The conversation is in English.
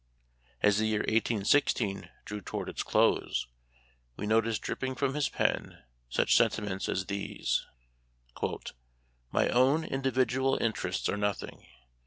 As the year i8i6drew toward its close we notice dripping from his pen such sentiments as these :" My own individual interests are nothing.